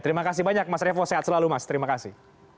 terima kasih banyak mas revo sehat selalu mas terima kasih